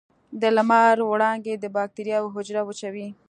د لمر وړانګې د بکټریاوو حجره وچوي.